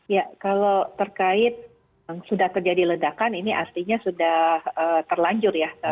ya kalau terkait sudah terjadi ledakan ini artinya sudah terlanjur ya